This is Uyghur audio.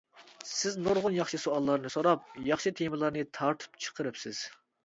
سىز نۇرغۇن ياخشى سوئاللارنى سوراپ، ياخشى تېمىلارنى تارتىپ چىقىرىپسىز.